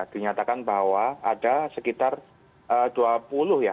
dinyatakan bahwa ada sekitar dua puluh ya